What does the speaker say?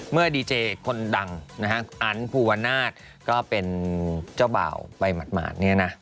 เมื่อดีเจคนดังนะฮะคุณอันภูวนาศก็เป็นเจ้าบ่าวไปหมาดเนี่ยนะ